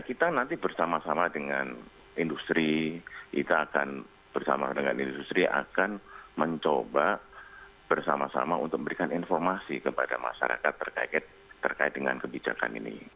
kita nanti bersama sama dengan industri kita akan bersama dengan industri akan mencoba bersama sama untuk memberikan informasi kepada masyarakat terkait dengan kebijakan ini